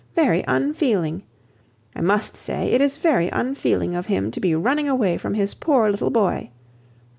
Very unfeeling! I must say it is very unfeeling of him to be running away from his poor little boy.